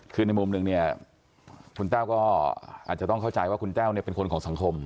คือในมุมหนึ่งเนี่ยคุณแต้วก็อาจจะต้องเข้าใจว่าคุณแต้วเนี่ยเป็นคนของสังคม